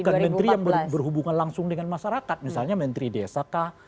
sama sehingga orang lain yang berhubungan dengan masyarakat misalnya menteri desa kah